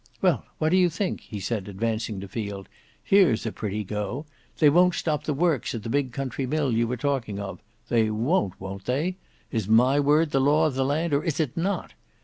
Well, what do you think," he said advancing to Field, "here's a pretty go! They won't stop the works at the big country mill you were talking of. They won't, won't they? Is my word the law of the land or is it not?